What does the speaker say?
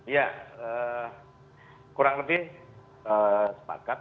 ya kurang lebih sepakat